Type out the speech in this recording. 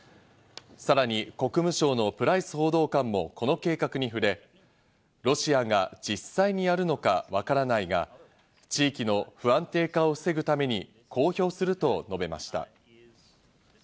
さらに国務省のプライス報道官もこの計画に触れ、ロシアが実際にやるのかわからないが、地域の不安定化を防ぐために公表すると述べました。